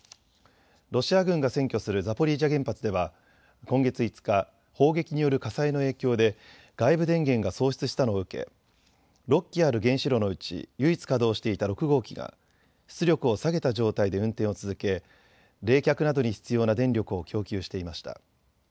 ロシア軍が占拠するザポリージャ原発では今月５日、砲撃による火災の影響で外部電源が喪失したのを受け６基ある原子炉のうち唯一稼働していた６号機が出力を下げた状態で運転を続け冷却などに必要な電力を供給していました。